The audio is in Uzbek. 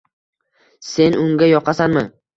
Sen unga yoqasanmi